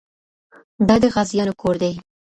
دا د غازيانو کور دی.